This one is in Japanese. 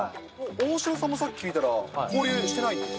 大城さんもさっき聞いたら、交流してないと。